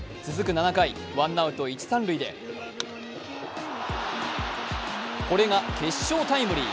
７回、ワンアウト一・三塁でこれが決勝タイムリー。